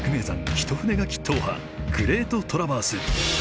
一筆書き踏破「グレートトラバース」。